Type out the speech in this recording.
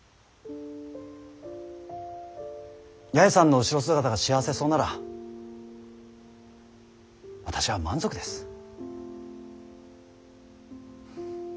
八重さんの後ろ姿が幸せそうなら私は満足です。